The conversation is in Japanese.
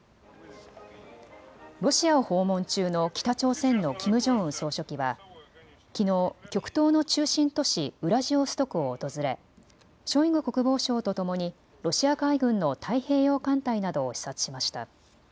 ロシアを訪問中の北朝鮮のキム・ジョンウン総書記はきのう極東の中心都市ウラジオストクを訪れショイグ国防相とともにロシア海軍の太平洋艦隊などを視察しました。